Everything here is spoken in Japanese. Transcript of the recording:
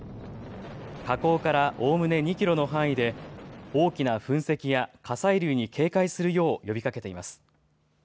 火口からおおむね２キロの範囲で大きな噴石や火砕流に警戒するよう呼びかけています。